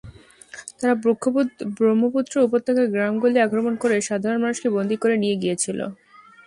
তাঁরা ব্রহ্মপুত্র উপত্যকার গ্রামগুলি আক্রমণ করে সাধারণ মানুষকে বন্দী করে নিয়ে গিয়েছিল।